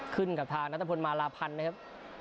ขึ้นกับทางนัตรภนมาราพันธ์นะครับ